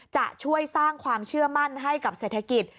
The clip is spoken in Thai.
จะช่วยสร้างความเชื่อมั่นให้กับเศรษฐกิจ